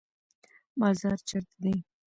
بازار چیرته دی؟